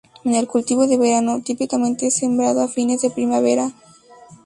Es un cultivo de verano, típicamente sembrado a fines de primavera.